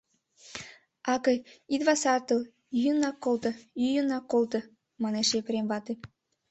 — Акый, ит васартыл, йӱынак колто, йӱынак колто, — манеш Епрем вате.